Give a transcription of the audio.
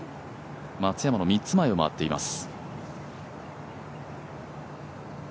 松山の３つ前を回っています。